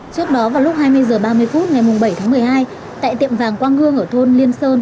trước đó vào lúc hai mươi h ba mươi phút ngày bảy tháng một mươi hai tại tiệm vàng quang gương ở thôn liên sơn